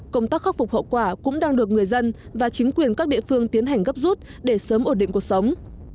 công tác khắc phục hậu quả cũng đang được người dân và chính quyền các địa phương tiến hành gấp rút để sớm ổn định cuộc sống